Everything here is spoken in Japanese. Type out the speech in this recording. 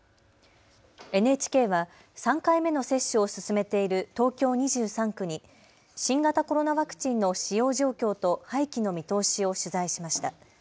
ＮＨＫは３回目の接種を進めている東京２３区に新型コロナワクチンの使用状況と廃棄の見通しを取材しました。